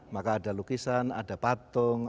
maka ada lukisan ada patung